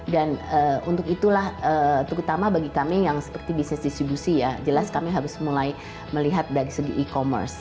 dan untuk itulah terutama bagi kami yang seperti bisnis distribusi ya jelas kami harus mulai melihat dari segi e commerce